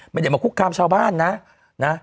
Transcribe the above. ไม่ได้มาคุกคามชาวบ้านนะนะ